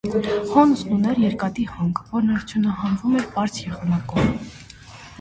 Հոսնուտն ուներ երկաթի հանք, որն արդյունահանվում էր պարզ եղանակով։